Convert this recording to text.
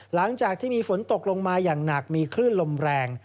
หลังจากที่มีฝนตกลงมาอย่างหนักมีคลื่นลมแรง